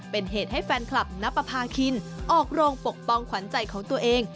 เป็นเหตุให้แฟนคลับนับประพาคินออกโรงปกป้องขวัญใจของตัวเอง